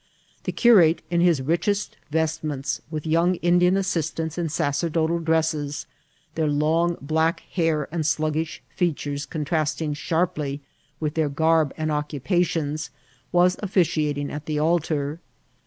The cu rate, in his richest vestments, with young Indian as sistants in sacerdotal dresses, their long black hair and sluggish features contrasting strangely with their garb and occiq[>ations, was officiating at the altar.